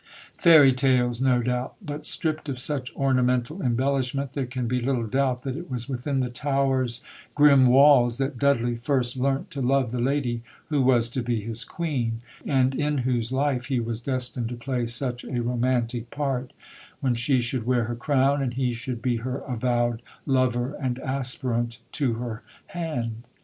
"Fairy tales," no doubt; but, stripped of such ornamental embellishment, there can be little doubt that it was within the Tower's grim walls that Dudley first learnt to love the lady who was to be his Queen, and in whose life he was destined to play such a romantic part, when she should wear her crown, and he should be her avowed lover and aspirant to her hand.